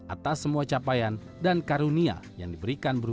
atas semua capaian dan karunia yang diberikan berupa berapa